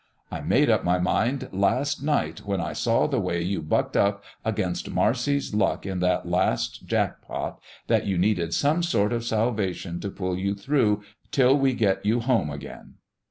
"I made up my mind last night when I saw the way you bucked up against Marcy's luck in that last jack pot that you needed some sort of salvation to pull you through till we get you home again."